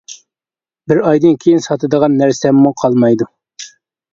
بىر ئايدىن كېيىن ساتىدىغان نەرسەممۇ قالمايدۇ.